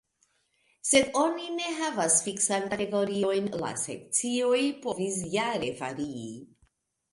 Sed oni ne havas fiksan kategoriojn; la sekcioj povis jare varii.